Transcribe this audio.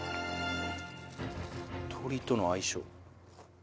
鶏との相性。